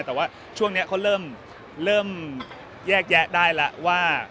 แต่ว่าช่วงนี้เขาเริ่มแยกแยะได้แล้วว่า